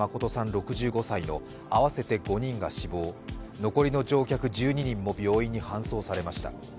６５歳の合わせて５人が死亡、残りの乗客１２人も病院に搬送されました。